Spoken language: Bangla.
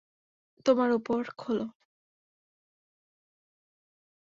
তোমার উপহার খোল।